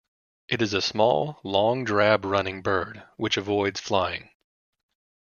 It is a small, long drab running bird, which avoids flying.